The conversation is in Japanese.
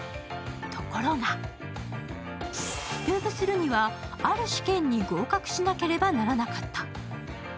ところが入部するには、ある試験に合格しなければならなかった。